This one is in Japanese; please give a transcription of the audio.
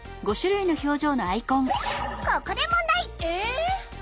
ここで問題！え！？